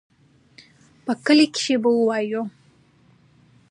په کلي کښې به ووايو.